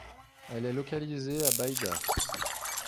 Elle est localisée à Bayda.